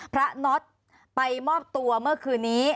น็อตไปมอบตัวเมื่อคืนนี้